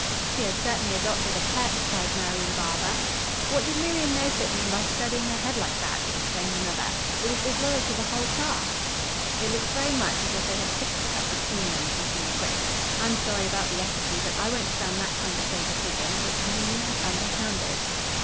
"She has certainly adopted a pet," cried Marian Barber. "What did Miriam Nesbit mean by studying ahead like that?" exclaimed another. "It was disloyal to the whole class." "It looks very much as if they had fixed it up between them," continued Grace. "I'm sorry about the effigy, but I won't stand that kind of favoritism. It's mean and underhanded."